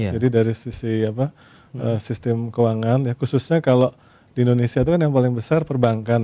jadi dari sisi sistem keuangan khususnya kalau di indonesia itu kan yang paling besar perbankan